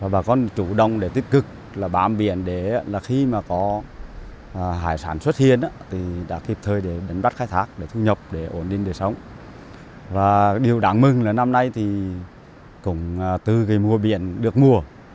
bà con đã tập trung mua sắm thêm ngư lợi cù